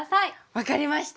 分かりました。